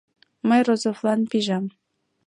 Мый Розовлан пижам.